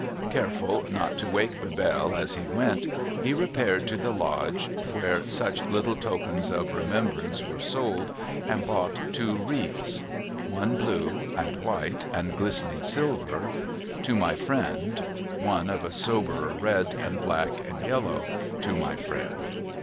Careful not to wake Bebelle as he went, he repaired to the lodge 304 SOMEBODY'S LUGGAGE where such little tokens of remembrance were sold, and bought two wreaths. One, blue and white and glistening silver, ' To my friend ;' one of a soberer red and black and yellow, ' To my friend.'